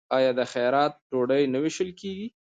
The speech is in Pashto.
آیا د خیرات ډوډۍ نه ویشل کیږي؟